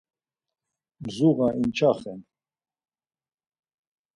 Zuğa inçaxen.